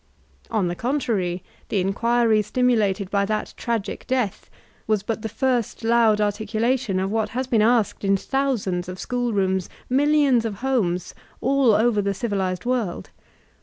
On the contrary, the inquiry stimulated by that tragic death was but the first loud articulation of what has been asked in thousands of school rooms, millions of homes, all over the civilized world.